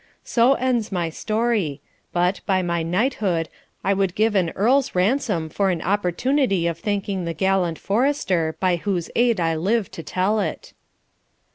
So ends my story; but, by my knighthood, I would give an earl's ransom for an opportunity of thanking the gallant forester by whose aid I live to tell it.'